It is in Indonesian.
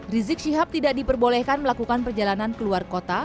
rizik syihab tidak diperbolehkan melakukan perjalanan keluar kota